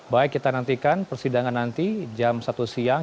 baik kita nantikan persidangan nanti jam satu siang